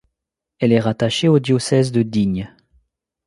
Elle est rattachée au diocèse de Digne.